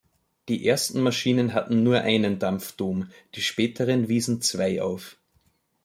Die ersten Maschinen hatten nur einen Dampfdom, die späteren wiesen zwei auf.